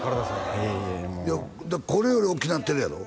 いえいえもういやこれより大きなってるやろ？